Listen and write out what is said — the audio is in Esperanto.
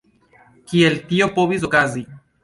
Kiel tio povis okazi?